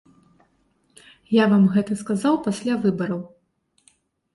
Я вам гэта сказаў пасля выбараў.